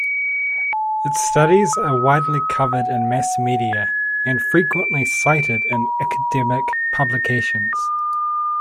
Its studies are widely covered in mass media and frequently cited in academic publications.